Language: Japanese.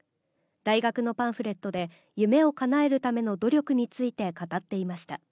大学のパンフレットで、夢をかなえるための努力について語っていました。